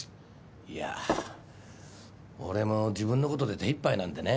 いやぁ俺も自分のことで手いっぱいなんでねえ。